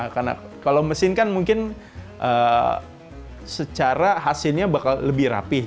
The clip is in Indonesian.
karena kalau mesin kan mungkin secara hasilnya bakal lebih rapih